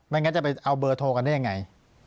งั้นจะไปเอาเบอร์โทรกันได้ยังไง